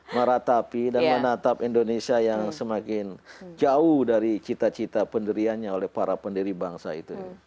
meratapi dan menatap indonesia yang semakin jauh dari cita cita pendiriannya oleh para pendiri bangsa itu